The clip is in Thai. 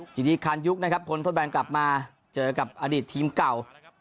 ทีนี้คานยุคนะครับพ้นโทษแบนกลับมาเจอกับอดีตทีมเก่า